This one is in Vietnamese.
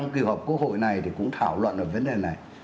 quốc hội này thì cũng thảo luận về vấn đề này